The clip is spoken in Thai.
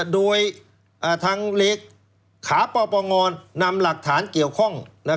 โดยทางเหล็กขาป่อป่องอนนำหลักฐานเกี่ยวข้อง